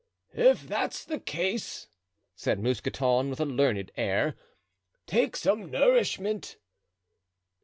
"If that's the case," said Mousqueton, with a learned air, "take some nourishment."